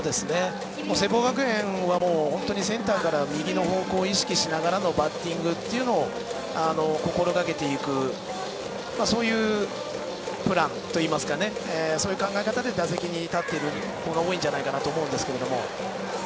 聖望学園はセンターから右の方向を意識しながらのバッティングというのを心がけていくそういうプランといいますかそういう考え方で打席に立っていることが多いんじゃないかと思います。